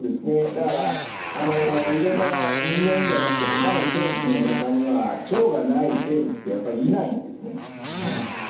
だから色んな人間じゃなくてほかの生物の中には腸がない生物ってやっぱりいないんですね。